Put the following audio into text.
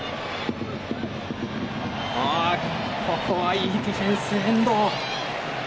いいディフェンス、遠藤。